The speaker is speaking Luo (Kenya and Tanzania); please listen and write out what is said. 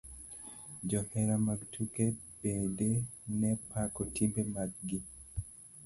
Johera mag tuke bende nepako timbe mag gi.